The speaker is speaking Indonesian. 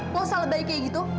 gak usah lebih baik kayak gitu